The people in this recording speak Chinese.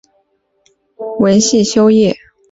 芮逸夫早年在国立东南大学外文系修业。